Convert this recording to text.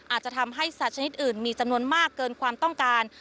อาจจะทำให้สัตว์ชนิดอื่นมีจำนวนมากเกินความต้องการ